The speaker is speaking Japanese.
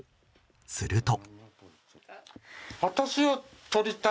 すると。